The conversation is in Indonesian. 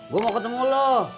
gua mau ketemu lo